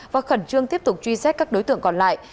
và khẩn trương tiếp tục truy xét các đối tượng còn lại